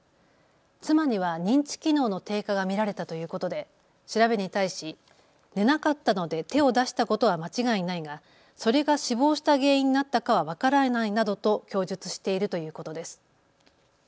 妻には認知機能の低下が見られたということで調べに対し寝なかったので手を出したことは間違いないがそれが死亡した原因になったかは分からないなどと供述しているということです。